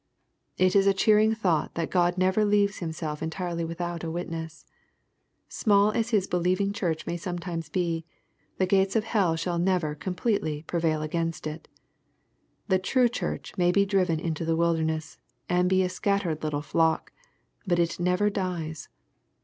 It is a cheering thought that God never leaves Himself entirely without a witness. Small as His believing church may sometimes be, the gates of hell shall never completely prevail against it. The trae church riiay be driven into the wilderness, and be a scattered little flock, but it never dies.